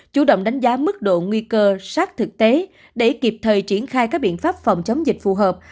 chủ động đánh giá mức độ nguy cơ sát thực tế để kịp thời triển khai các biện pháp phòng chống dịch phù hợp